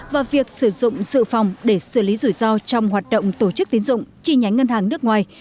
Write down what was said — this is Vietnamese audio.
và việc sử dụng dự phòng để xử lý rủi ro trong hoạt động tổ chức tiến dụng chi nhánh ngân hàng nước ngoài